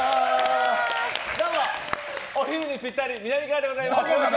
どうも、お昼にぴったりみなみかわでございます。